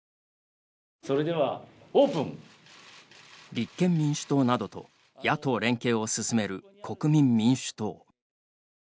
立憲民主党などと野党連携を進める国民民主党。